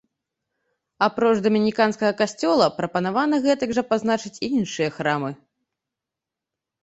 Апроч дамініканскага касцёла, прапанавана гэтак жа пазначыць і іншыя храмы.